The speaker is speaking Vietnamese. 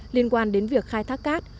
liên quan đến việc khai thác cát